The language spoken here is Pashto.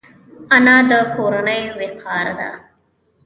انا د کورنۍ وقار ده